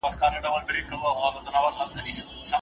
ميرمن څنګه له دي ګناه څخه ځان ساتلای سي؟